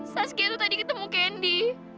saskia itu tadi ketemu kendi